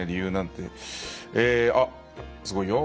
すごいよ。